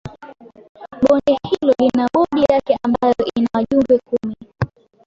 Bonde hilo lina Bodi yake ambayo ina wajumbe kumi